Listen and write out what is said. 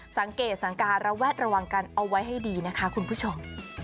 สังเกตสังการระแวดระวังกันเอาไว้ให้ดีนะคะคุณผู้ชม